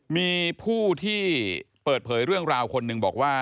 มีผู้ที่เปิดเผยเรื่องราวคนหนึ่งบอกว่า